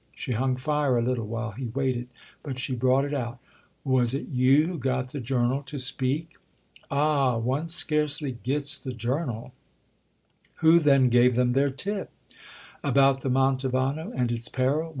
She hung fire a little while he waited, but she brought it out. "Was it you who got the 'Journal' to speak?" "Ah, one scarcely 'gets' the 'Journal'!" "Who then gave them their 'tip'?" "About the Mantovano and its peril?"